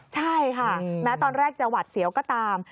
ใช่ค่ะแม้ตอนแรกจะหวัดเสียวก็ตาม